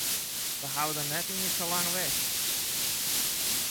We hawwe dêr net iens sa lang west.